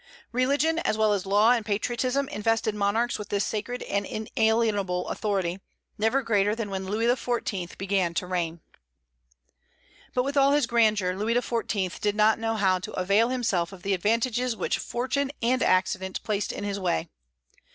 Religion, as well as law and patriotism, invested monarchs with this sacred and inalienable authority, never greater than when Louis XIV. began to reign. But with all his grandeur Louis XIV. did not know how to avail himself of the advantages which fortune and accident placed in his way.